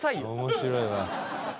面白いわ。